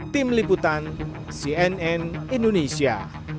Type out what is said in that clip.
tim liputan cnn indonesia